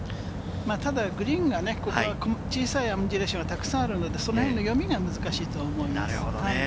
ただグリーンがここは小さいアンジュレーションがたくさんあるので、その辺の読みは難しいと思います。